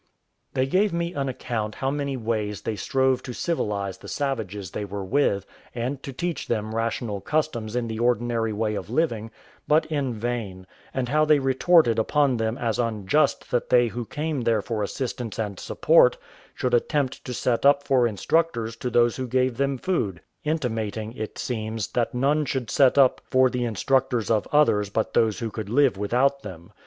They gave me an account how many ways they strove to civilise the savages they were with, and to teach them rational customs in the ordinary way of living, but in vain; and how they retorted upon them as unjust that they who came there for assistance and support should attempt to set up for instructors to those that gave them food; intimating, it seems, that none should set up for the instructors of others but those who could live without them.